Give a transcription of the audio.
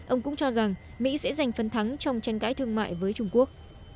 ông cũng cho rằng mỹ sẽ giành phân thắng trong tranh cãi thương mại với trung quốc